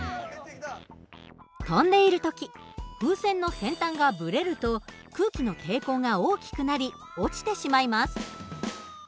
飛んでいる時風船の先端がブレると空気の抵抗が大きくなり落ちてしまいます。